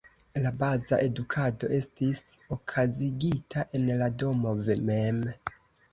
La baza edukado estis okazigita en la domo mem.